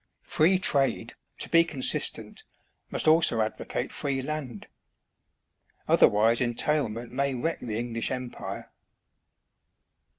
Free trade, to be consistent, must also advocate free land ; otherwise entailment may wreck the English Empire.